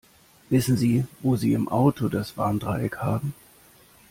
Wissen Sie, wo sie im Auto das Warndreieck haben?